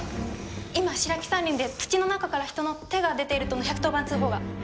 今白城山林で土の中から人の手が出ているとの１１０番通報が。